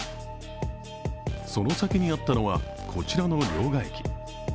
その先にあったのはこちらの両替機。